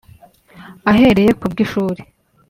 Ahereye k’ubw’ishuri